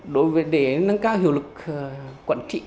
để nâng cao hiệu quản trị